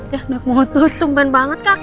ya naik motor temban banget kakak